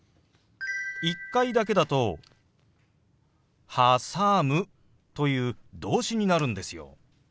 １回だけだと「はさむ」という動詞になるんですよ。